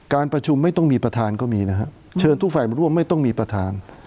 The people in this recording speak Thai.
การประชุมไม่ต้องมีประธานก็มีนะฮะเชิญทุกฝ่ายมาร่วมไม่ต้องมีประธาน